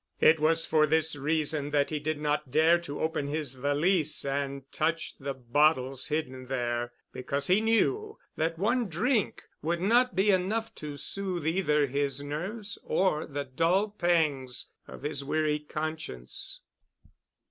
It was for this reason that he did not dare to open his valise and touch the bottles hidden there because he knew that one drink would not be enough to sooth either his nerves or the dull pangs of his weary conscience.